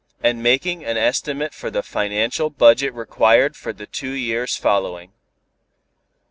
and making an estimate for the financial budget required for the two years following.